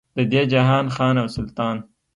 د دې جهان خان او سلطان.